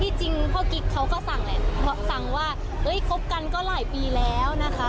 จริงพ่อกิ๊กเขาก็สั่งแหละสั่งว่าคบกันก็หลายปีแล้วนะคะ